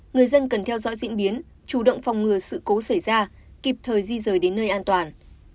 người dân cần theo dõi diễn biến chủ động phòng ngừa sự cố xảy ra kịp thời di rời đến nơi an toàn